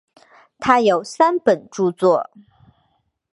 他有三本着作。